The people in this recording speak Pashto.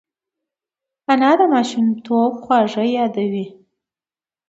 انا د ماشومتوب خواږه یادوي